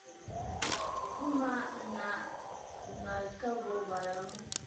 Gu ma ŋahn ka voh valamu.